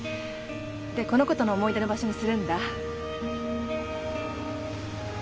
でこの子との思い出の場所にするんだ。